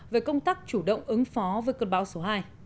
về công tác chủ động ứng phó với cơn bão số hai